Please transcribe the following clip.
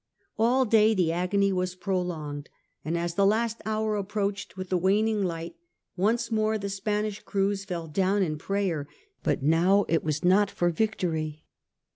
All day the agony was prolonged, and as the last hour approached with the waning light, once more the Spanish crews fell down in prayer — but now it was not for victory.